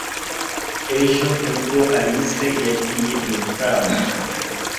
Ejo nibwo Alice yagiye mu gitaramo.